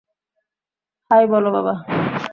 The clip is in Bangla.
হাই বলো, বাবা।